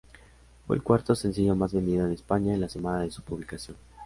Fue el cuarto sencillo más vendido en España en la semana de su publicación.